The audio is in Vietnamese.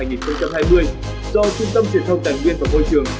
do trung tâm truyền thông tài nguyên và môi trường